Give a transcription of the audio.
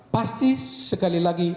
pasti sekali lagi